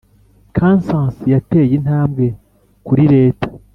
kansas yateye intambwe kuri leta